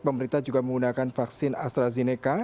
pemerintah juga menggunakan vaksin astrazeneca